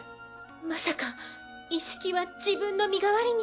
まさかイッシキは自分の身代わりに。